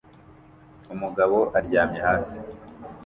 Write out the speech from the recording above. Umugabo aryamye hasi